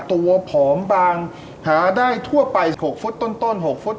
ผอมบางหาได้ทั่วไป๖ฟุตต้น๖ฟุต